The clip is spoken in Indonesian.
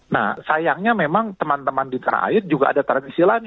nah sayangnya memang teman teman di tanah air juga ada tradisi lain